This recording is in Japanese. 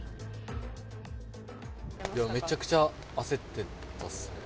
めちゃくちゃ焦ってたっす。